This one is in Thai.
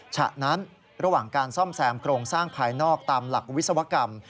ฉะนั้นระหว่างการซ่อมแซมโครงสร้างภายนอกตามหลักวิศวกรรม